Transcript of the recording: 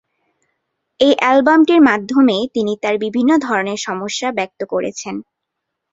এই অ্যালবামটির মাধ্যমে তিনি তার বিভিন্ন ধরনের সমস্যা ব্যক্ত করেছেন।